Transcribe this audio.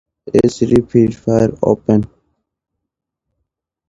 I doubt violence to people who do not know.